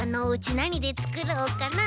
なにでつくろうかな？